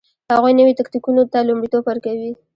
هغوی نویو تکتیکونو ته لومړیتوب ورکوي